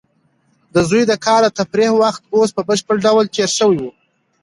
د زوی د کار د تفریح وخت اوس په بشپړ ډول تېر شوی و.